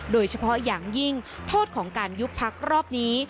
โดยเฉพาะอย่างยิ่งโทษของการยุบพักรอบนี้